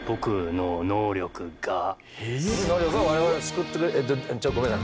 能力が我々を救ってくれちょっとごめんなさい。